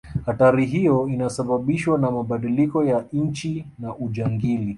hatari hiyo inasababishwa na mabadiliko ya nchi na ujangili